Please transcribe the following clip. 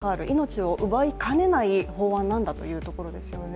やはり文字どおり、命に関わる命を奪いかねない法案なんだというところですよね。